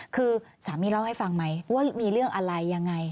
คือสามีเล่าให้ฟังไหมว่ามีเรื่องอะไรยังไง